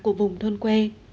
của vùng thôn quê